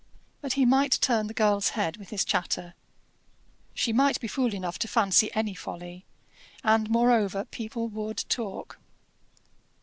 But he might turn the girl's head with his chatter; she might be fool enough to fancy any folly; and, moreover, people would talk.